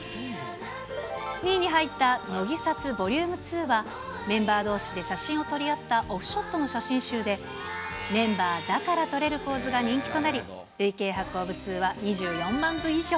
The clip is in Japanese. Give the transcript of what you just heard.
２位に入った乃木撮ボリューム０２はメンバーどうしで写真を撮り合ったオフショットの写真集で、メンバーだからとれるポーズが人気となり、累計発行部数は２４万部以上。